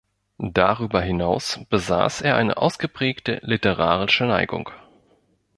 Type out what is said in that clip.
Darüber hinaus besaß er eine ausgeprägte literarische Neigung.